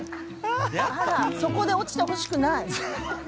そこで落ちてほしくない？